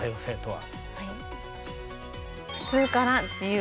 はい。